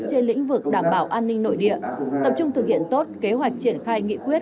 trên lĩnh vực đảm bảo an ninh nội địa tập trung thực hiện tốt kế hoạch triển khai nghị quyết